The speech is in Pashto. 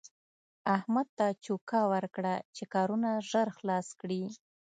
احمد ته چوکه ورکړه چې کارونه ژر خلاص کړي.